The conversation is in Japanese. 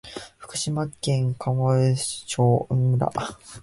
福島県檜枝岐村